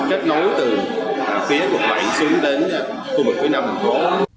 phía quận bảy xuống đến khu vực phía nam hồ